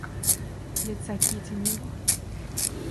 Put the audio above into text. Лица Кити не было.